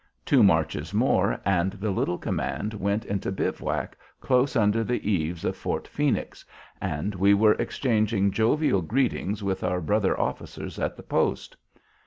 Two marches more, and the little command went into bivouac close under the eaves of Fort Phoenix and we were exchanging jovial greetings with our brother officers at the post.